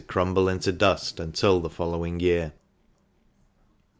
crumble into dust " until the following year.